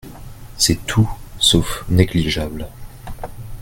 C’est tout sauf négligeable